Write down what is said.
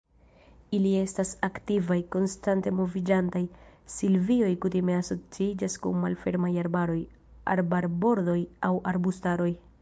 Ili estas aktivaj, konstante moviĝantaj; silvioj kutime asociiĝas kun malfermaj arbaroj, arbarbordoj aŭ arbustaroj.